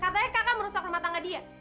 katanya kakak merusak rumah tangga dia